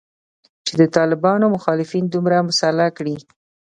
چې د طالبانو مخالفین دومره مسلح کړي